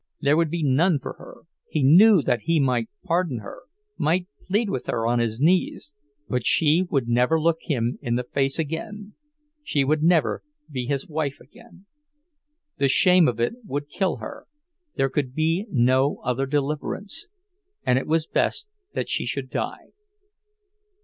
There would be none for her—he knew that he might pardon her, might plead with her on his knees, but she would never look him in the face again, she would never be his wife again. The shame of it would kill her—there could be no other deliverance, and it was best that she should die.